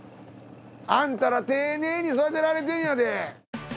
アンタら丁寧に育てられてんやで！